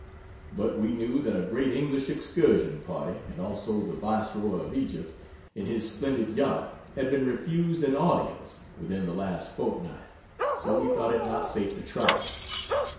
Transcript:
But we knew that a great English Excursion party, and also the Viceroy of Egypt, in his splendid yacht, had been refused an audience within the last fortnight, so we thought it not safe to try it.